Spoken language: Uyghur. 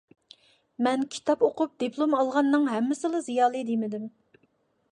مەن كىتاب ئوقۇپ دىپلوم ئالغاننىڭ ھەممىسىلا زىيالىي دېمىدىم.